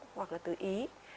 hoặc là từ ý